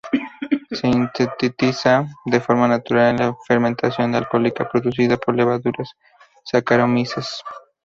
Se sintetiza de forma natural en la fermentación alcohólica producida por levaduras "saccharomyces".